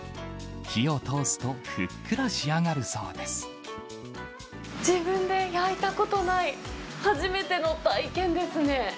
火を通すとふっくら仕上がるそう自分で焼いたことない、初めての体験ですね。